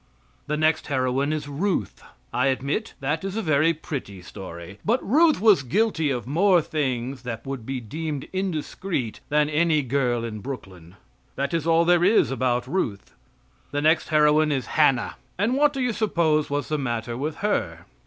The next heroine is Ruth. I admit, that is a very pretty story. But Ruth was guilty of more things that would be deemed indiscreet than any girl in Brooklyn. That is all there is about Ruth. The next heroine is Hannah. And what do you suppose was the matter with her?